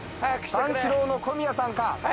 三四郎の小宮さんか。